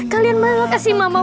kalian malah kasih mama